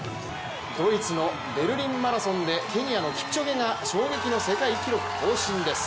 ドイツのベルリンマラソンでケニアのキプチョゲが衝撃の世界記録、更新です。